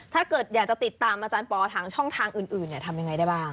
ถ้าเกิดอยากจะติดตามอาจารย์ปอทางช่องทางอื่นทำยังไงได้บ้าง